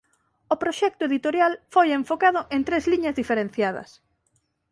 O proxecto editorial foi enfocado en tres liñas diferenciadas.